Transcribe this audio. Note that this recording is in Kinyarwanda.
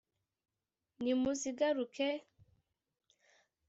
nimuziguruke inyonga,